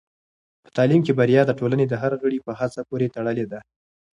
په تعلیم کې بریا د ټولنې د هر غړي په هڅه پورې تړلې ده.